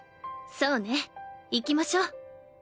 そうね行きましょう。